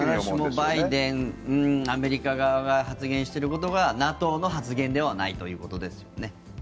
必ずしもバイデン、アメリカ側が発言していることがＮＡＴＯの発言ではないということですよね。